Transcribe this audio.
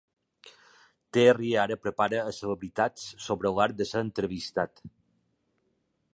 Terry ara prepara a celebritats sobre l'art de ser entrevistat.